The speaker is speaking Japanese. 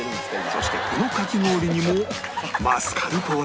そしてこのかき氷にもマスカルポーネ